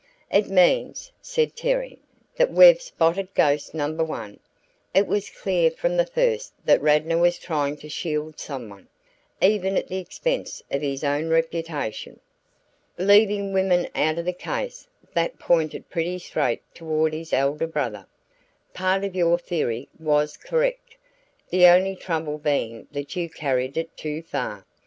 "It means," said Terry, "that we've spotted ghost number one. It was clear from the first that Radnor was trying to shield someone, even at the expense of his own reputation. Leaving women out of the case, that pointed pretty straight toward his elder brother. Part of your theory was correct, the only trouble being that you carried it too far.